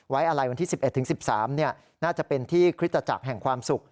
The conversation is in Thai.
ไว้อะไรวันที่๑๑๑๓น่าจะเป็นที่คริสตจักรแห่งความสุข